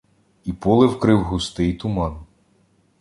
І поле вкрив густий туман.